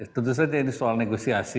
tentu saja ini soal negosiasi